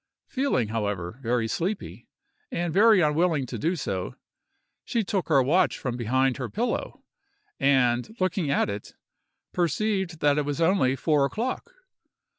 Feeling, however, very sleepy, and very unwilling to do so, she took her watch from behind her pillow, and, looking at it, perceived that it was only four o'clock.